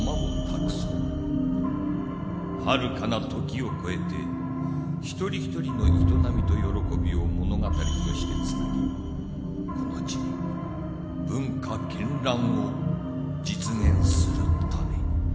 はるかな時を超えて一人一人の営みと喜びを物語としてつなぎこの地に文化絢爛を実現するために。